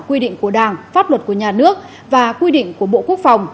quy định của đảng pháp luật của nhà nước và quy định của bộ quốc phòng